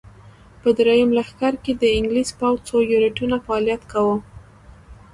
په درېیم لښکر کې د انګلیسي پوځ څو یونیټونو فعالیت کاوه.